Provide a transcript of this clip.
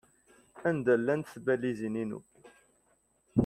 Anda llant tbalizin-inu?